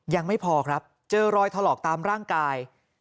ยังไม่พอครับเจอรอยถลอกตามร่างกาย